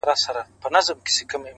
سترگي لكه دوې ډېوې”